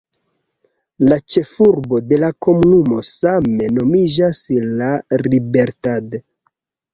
La ĉefurbo de la komunumo same nomiĝas La Libertad.